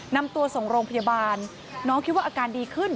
นำตัวส่งโรงพยาบาลน้องคิดว่าอาการดีขึ้น